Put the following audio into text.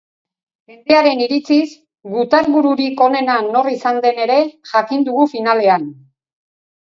Jendearen iritziz, gutarbururik onena nor izan den ere jakin dugu finalean.